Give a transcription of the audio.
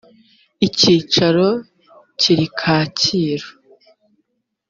icyicaro kiri kacyiru